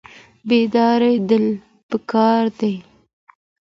بیداریدل پکار دي